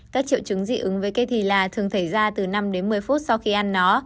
các triệu chứng dị ứng với cây thì là thường xảy ra từ năm đến một mươi phút sau khi ăn nó